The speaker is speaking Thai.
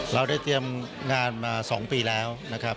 เราได้เตรียมงานมา๒ปีแล้วนะครับ